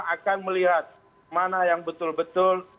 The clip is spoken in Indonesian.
akan melihat mana yang betul betul